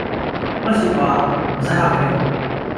乜說話，唔洗客氣